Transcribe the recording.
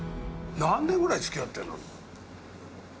何年ぐらい付き合ってんの？